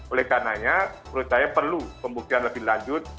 oleh karenanya menurut saya perlu pembuktian lebih lanjut